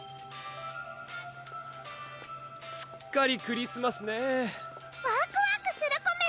すっかりクリスマスねワクワクするコメ！